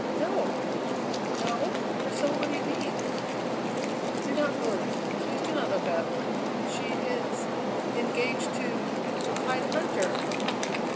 "No!" "No? Priscilla, what do you mean?" "Do not move. Please do not look up. She is engaged to to Clyde Huntter!"